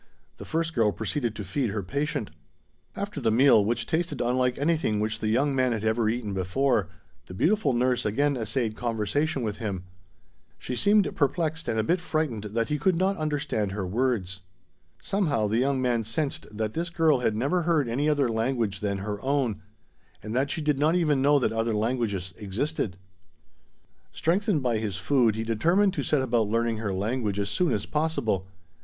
The first girl proceeded to feed her patient. After the meal, which tasted unlike anything which the young man had ever eaten before, the beautiful nurse again essayed conversation with him. She seemed perplexed and a bit frightened that he could not understand her words. Somehow, the young man sensed that this girl had never heard any other language than her own, and that she did not even know that other languages existed. Strengthened by his food, he determined to set about learning her language as soon as possible.